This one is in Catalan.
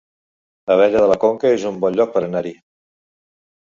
Abella de la Conca es un bon lloc per anar-hi